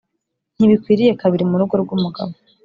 ntibikwiye kabiri mu rugo rw’umugabo